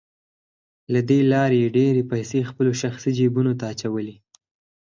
له دې لارې یې ډېرې پیسې خپلو شخصي جیبونو ته اچولې